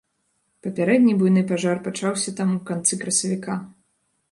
Папярэдні буйны пажар пачаўся там у канцы красавіка.